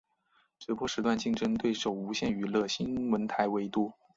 直播时段较竞争对手无线娱乐新闻台为多。